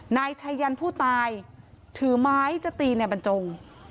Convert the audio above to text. นายชัยยันผู้ตายถือไม้จะตีในบรรจง